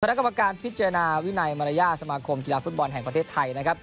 นักกรรมการพิจารณาวินัยมารยาทสมาคมกีฬาฟุตบอลแห่งประเทศไทยนะครับ